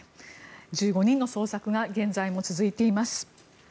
１５人の捜索が現在も続いています。